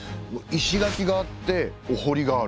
石垣があっておほりがある。